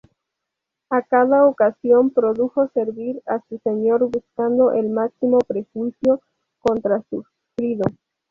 A cada ocasión procuró servir a su señor buscando el máximo perjuicio contra Sigfrido.